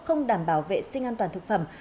không đảm bảo vệ sinh an toàn thực phẩm